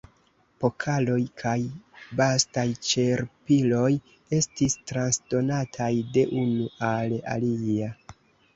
Pokaloj kaj bastaj ĉerpiloj estis transdonataj de unu al alia.